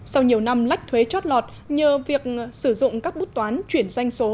sau nhiều năm lách thuế chót lọt nhờ việc sử dụng các bút toán chuyển danh số